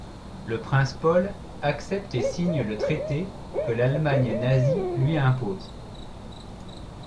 Le prince Paul accepte et signe le traité que l'Allemagne nazie lui impose.